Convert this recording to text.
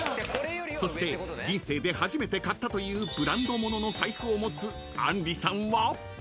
［そして人生で初めて買ったというブランド物の財布を持つあんりさんは？］